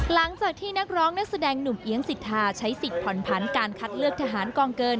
หลังจากที่นักร้องนักแสดงหนุ่มเอี๊ยงสิทธาใช้สิทธิ์ผ่อนผันการคัดเลือกทหารกองเกิน